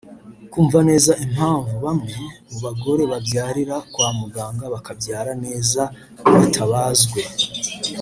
Kumva neza impamvu bamwe mu bagore babyarira kwa muganga bakabyara neza batabazwe